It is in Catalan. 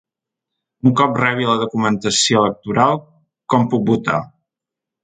Un cop rebi la documentació electoral, com puc votar?